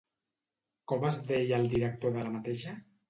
Com es deia el director de la mateixa?